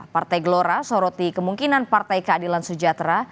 partai gelora soroti kemungkinan partai keadilan sejahtera